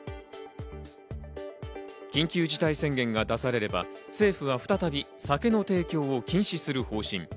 緊急事態宣言が出されれば、政府は再び酒の提供を禁止する方針。